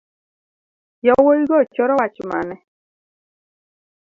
Yawuigo choro wach mane.